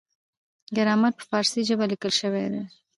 ګرامر په پارسي ژبه لیکل شوی دی.